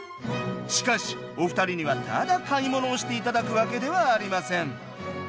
しかしお二人にはただ買い物をして頂く訳ではありません。